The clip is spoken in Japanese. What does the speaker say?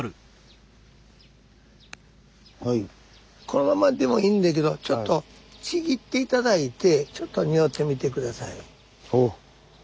このままでもいいんだけどちょっとちぎって頂いてちょっとにおってみて下さい。